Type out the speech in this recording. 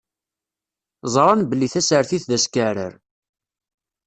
Ẓṛan belli tasertit d askeɛrer.